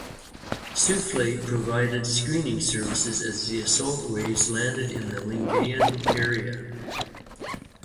"Saufley" provided screening services as the assault waves landed in the Lingayen area.